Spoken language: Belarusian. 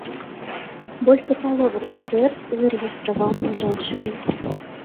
Больш за палову кватэр зарэгістравана на жанчын.